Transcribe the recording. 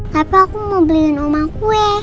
tapi aku mau beliin oma kue